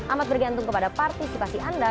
amat bergantung kepada partisipasi anda